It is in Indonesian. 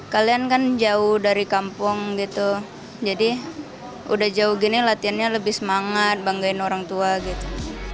kalian kan jauh dari kampung gitu jadi udah jauh gini latihannya lebih semangat banggain orang tua gitu